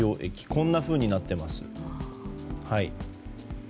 こんなふうになっています。